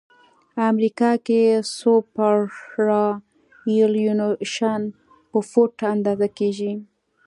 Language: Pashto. امریکا کې سوپرایلیویشن په فوټ اندازه کیږي